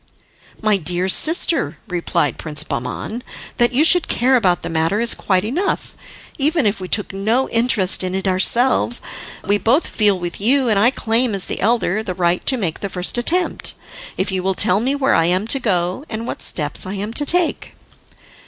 "My dear sister," replied Prince Bahman, "that you should care about the matter is quite enough, even if we took no interest in it ourselves. But we both feel with you, and I claim, as the elder, the right to make the first attempt, if you will tell me where I am to go, and what steps I am to take."